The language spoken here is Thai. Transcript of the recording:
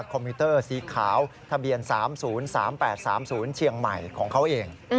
คอมพิวเตอร์สีขาวทะเบียน๓๐๓๘๓๐เชียงใหม่ของเขาเอง